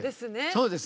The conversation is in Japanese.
そうですね。